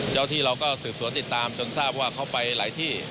เจ้าที่เราก็สืบสวนติดตามจนทราบว่าเขาไปหลายที่